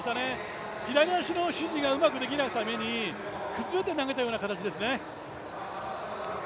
左足の支持がうまくできなかったために、崩れて投げたような形ですね。